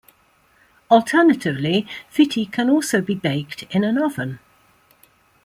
Alternatively, phitti can also be baked in an oven.